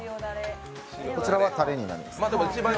こちらは、たれになります。